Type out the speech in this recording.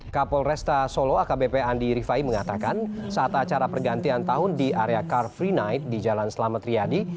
kapol resta solo akbp andi rifai mengatakan saat acara pergantian tahun di area car free night di jalan selamat riyadi